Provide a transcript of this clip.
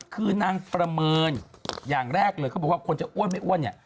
คือนางประเมินอย่างแรกเลยเขาบอกว่าคนจะอ้วนไม่อ้วนเนี่ย